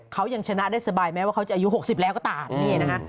เขายังชนะได้สบายแม้ว่าเขาจะอายุ๖๐แล้วก็ตามนี่นะฮะ